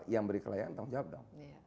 yang beri kelayakan tanggung jawab dong